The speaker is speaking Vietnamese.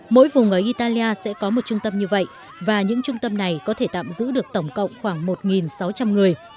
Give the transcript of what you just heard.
mỗi vùng ở italia sẽ có một trung tâm như vậy và những trung tâm này có thể tạm giữ được tổng cộng khoảng một sáu trăm linh người